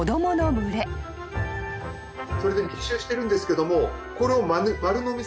密集してるんですけどもこれを。